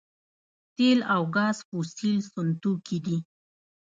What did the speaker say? تیل او ګاز فوسیل سون توکي دي